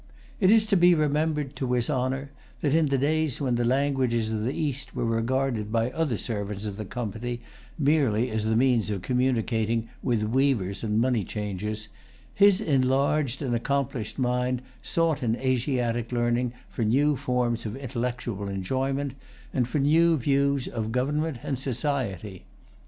It is to be remembered to his honor, that in days when the languages of the East were regarded by other servants of the Company merely as the means of communicating with weavers and money changers, his enlarged and accomplished mind sought in Asiatic learning for new forms of intellectual enjoyment, and for new views of government and society.